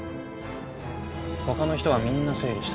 他の人はみんな整理した。